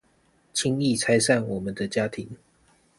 輕易拆散我們的家庭